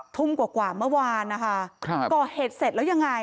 ทุ่มกว่าเมื่อวานนะคะก่อเหตุเสร็จแล้วยังไง